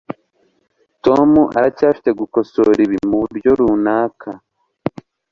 tom aracyafite gukosora ibi muburyo runaka